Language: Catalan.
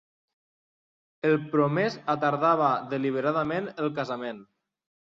El promès atardava deliberadament el casament.